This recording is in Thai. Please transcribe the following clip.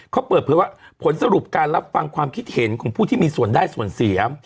เขาเปิดเผยว่าผลสรุปการรับฟังความคิดเห็นของผู้ที่มีส่วนได้ส่วนเสีย